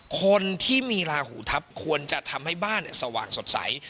คนที่มีราหูทัพควรจะทำให้บ้านสว่างสดใส